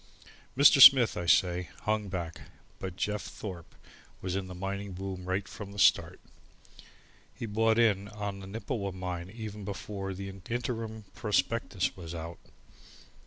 Mr. Smith, I say, hung back. But Jeff Thorpe was in the mining boom right from the start. He bought in on the Nippewa mine even before the interim prospectus was out.